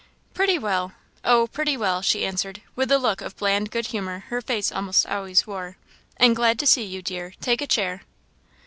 "Pretty well! oh!, pretty well!" she answered, with the look of bland good humour her face almost always wore "and glad to see you, dear. Take a chair."